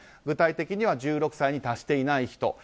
具体的には１６歳に達していない人。